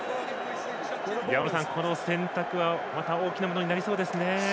大野さん、この選択は大きなものになりそうですね。